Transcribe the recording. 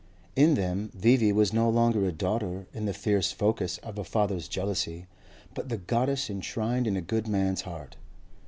In them V.V. was no longer a daughter in the fierce focus of a father's jealousy, but the goddess enshrined in a good man's heart.